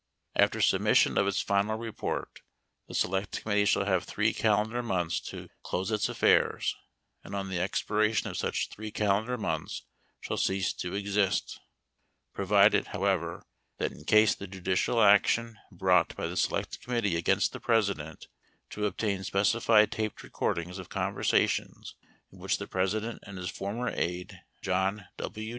V 1250 2 1 After submission of its final report, the select committee 2 shall have three calendar months to close its affairs, and on 3 the expiration of such three calendar months shall cease to 4 exist: Provided, however, That in case the judicial action 5 brought by the select committee against the President to ob 6 tain specified taped recordings of conversations in which the 7 President and his former aide, John W.